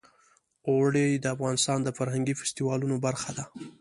اوړي د افغانستان د فرهنګي فستیوالونو برخه ده.